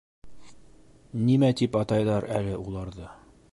Нимә тип атайҙар әле уларҙы?